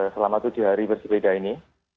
selama tujuh hari bersepeda ini